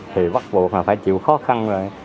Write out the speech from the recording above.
thì bắt buộc là phải chịu khó khăn rồi